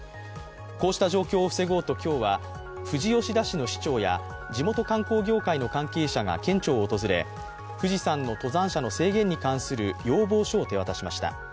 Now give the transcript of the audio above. こうした状況を防ごうと今日は、富士吉田市の市長や地元観光業界の関係者が県庁を訪れ、富士山の登山者の制限に関する要望書を手渡しました。